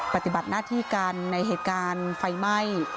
ปฏิบัติหน้าที่กันในเหตุการณ์ไฟไหม้